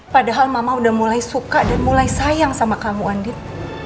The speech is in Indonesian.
padahal mama udah mulai suka dan mulai sayang sama kamu andit